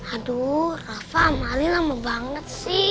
aduh rafa amali lama banget sih